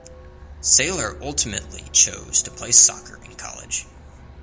Seiler ultimately chose to play soccer in college.